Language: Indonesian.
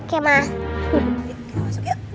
oke masuk yuk